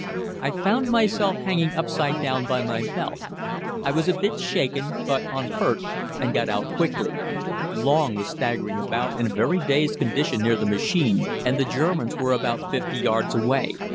I found myself hanging upside down by my belt. I was a bit shaken but unhurt, and got out quickly. Long was staggering about in a very dazed condition near the machine, and the Germans were about 50 yards away.